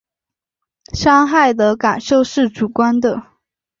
伤害的感受是主观的